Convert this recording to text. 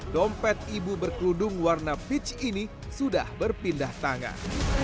dompet ibu berkeludung warna peach ini sudah berpindah tangan